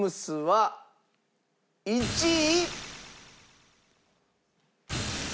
１位。